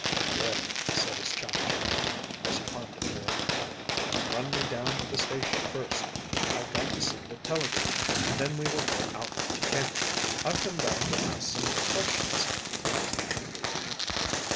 "Good," said his chum cheerfully, as he climbed aboard. "Run me down to the station first. I've got to send a telegram, and then we will go out to camp." "I've come back to ask some more questions," he grinned to the friendly agent.